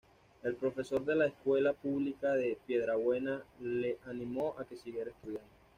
El profesor de la escuela pública de Piedrabuena le animó a que siguiera estudiando.